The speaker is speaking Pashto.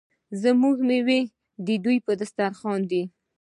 زموږ میوې د دوی په دسترخان دي.